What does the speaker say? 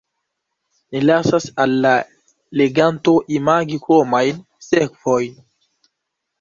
Ni lasas al la leganto imagi kromajn sekvojn.